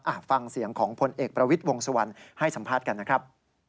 ฟังเสียงของพลเอกประวิทย์วงสุวรรณให้สัมภาษณ์กันนะครับ